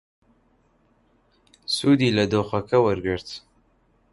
سوودی لە دۆخەکە وەرگرت.